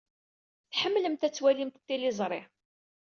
Tḥemmlemt ad twalimt tiliẓri.